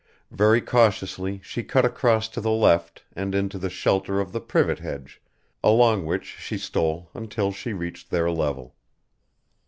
Very cautiously she cut across to the left and into the shelter of the privet hedge, along which she stole until she reached their level.